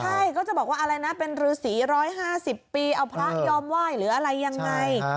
ใช่ก็จะบอกว่าอะไรนะเป็นรือสี๑๕๐ปีเอาพระยอมไหว้หรืออะไรยังไง